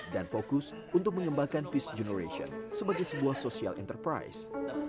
dan fokus untuk mengembangkan peace generation sebagai sebuah social enterprise